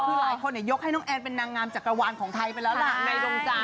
คือหลายคนยกให้น้องแอนเป็นนางงามจักรวาลของไทยไปแล้วล่ะในดวงใจ